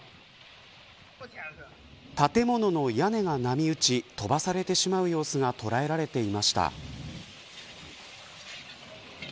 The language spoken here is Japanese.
建物の屋根が波うち飛ばされてしまう様子が捉えられていました。